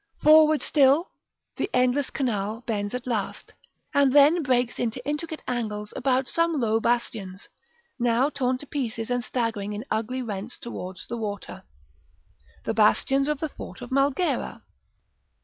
Forward still: the endless canal bends at last, and then breaks into intricate angles about some low bastions, now torn to pieces and staggering in ugly rents towards the water, the bastions of the fort of Malghera.